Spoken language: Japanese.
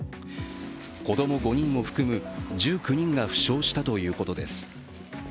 子供５人を含む１９人が負傷したということです。